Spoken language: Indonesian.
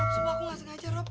sumpah aku gak sengaja rob